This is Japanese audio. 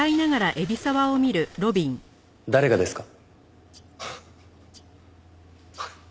誰がですか？